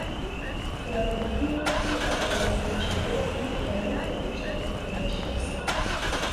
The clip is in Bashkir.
Филармонияла тиҙ арала үҙ кеше булып, һәйбәт кенә эшләп китте йәш йырсы.